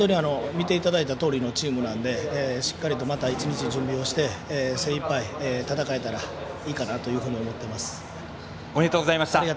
見ていただいたとおりのチームなので、しっかりとまた１日、準備をして精いっぱい、戦えたらいいかなとおめでとうございました。